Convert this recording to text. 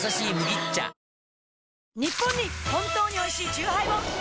ニッポンに本当においしいチューハイを！